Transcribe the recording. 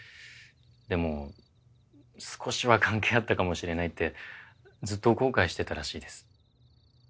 でも少しは関係あったかもしれないってずっと後悔してたらしいです。